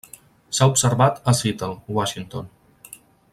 S'ha observat a Seattle, Washington.